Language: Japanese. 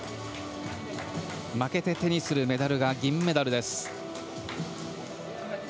負けて手にするメダルが銀メダルです。